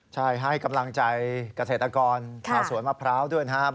ใช่ให้กำลังใจเกษตรกรชาวสวนมะพร้าวด้วยนะครับ